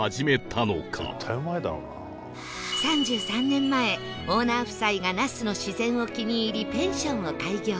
３３年前オーナー夫妻が那須の自然を気に入りペンションを開業